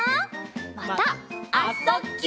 また「あ・そ・ぎゅ」